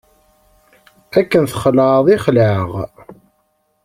Akken txelεeḍ i xelεeɣ.